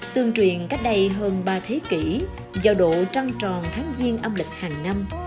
tương truyền cách đây hơn ba thế kỷ do độ trăng tròn tháng diên âm lịch hàng năm